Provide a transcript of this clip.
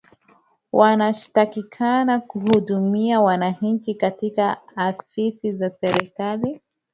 wanashtakikana kuhudumia wananchi katika ofisi za serikali